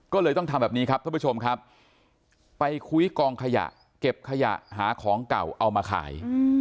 ก็เลยต้องทำแบบนี้ครับท่านผู้ชมครับไปคุยกองขยะเก็บขยะหาของเก่าเอามาขาย